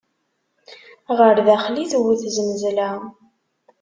Ɣer daxel i tewwet znezla.